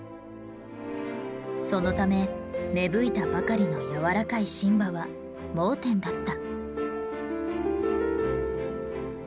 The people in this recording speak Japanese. そのため芽吹いたばかりの柔らかい新葉は盲点だった。